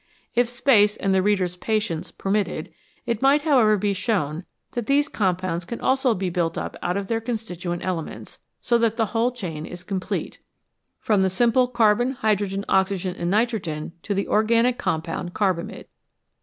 If space and the reader's patience permitted, it might, however, be shown that these compounds also can be built up out of their con stituent elements, so that the whole chain is complete, 252 HOW MAN COMPETES WITH NATURE from the simple carbon, hydrogen, oxygen, and nitrogen to the organic compound carbamide.